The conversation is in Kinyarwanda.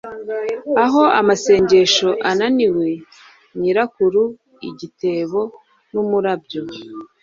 aho amasengesho ananiwe - nyirakuru igitebo! n'umurabyo